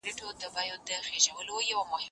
زه کولای سم بوټونه پاک کړم؟!